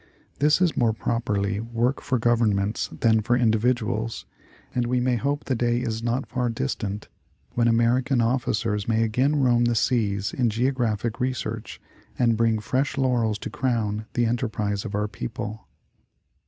This is more properly work for governments than for individuals, and we may hope the day is Geography of the Land. 129 not far distant when American officers may again roam the seas in Geographic research, and bring fresh laurels to crown the en terprise of our people.